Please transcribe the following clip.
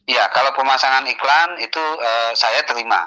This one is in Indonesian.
ya kalau pemasangan iklan itu saya terima